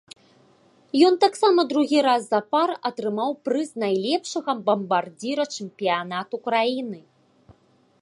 Ён таксама другі раз запар атрымаў прыз найлепшага бамбардзіра чэмпіянату краіны.